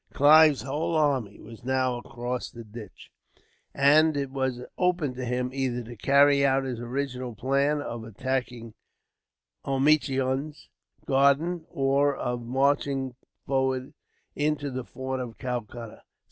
Clive's whole army was now across the ditch, and it was open to him either to carry out his original plan of attacking Omichund's garden, or of marching forward into the fort of Calcutta.